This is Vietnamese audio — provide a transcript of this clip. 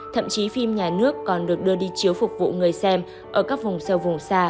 thậm chí phim nhà nước còn được đưa đi chiếu phục vụ người xem ở các vùng sâu vùng xa